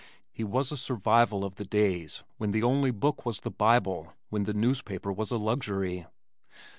He was a survival of the days when the only book was the Bible, when the newspaper was a luxury.